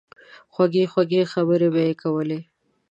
خوږې خوږې خبرې به ئې کولې